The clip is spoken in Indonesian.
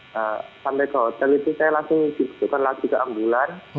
nah sampai ke hotel itu saya langsung dibutuhkan lagi ke ambulan